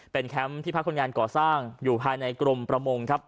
เป็นแคมป์ที่พักคนงานก่อสร้างอยู่ภายในกรมประมงครับ